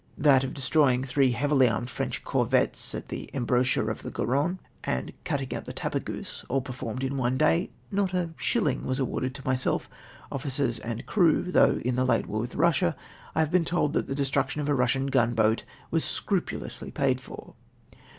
that of destroying tliree hca, vily armed Frcncli corvettes at the embouchure of the Garomie, and cutting out tlie Ta2:)agease—Vi]\ performed in one day— not a shiUing was awarded to myself, officers, and crew, though in. the late war with Eussia I have been told that the destruction of a liussian gunljoat Avas scrupulously paid for.